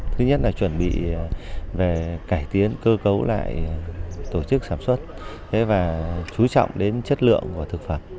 thứ nhất là chuẩn bị về cải tiến cơ cấu lại tổ chức sản xuất và chú trọng đến chất lượng của thực phẩm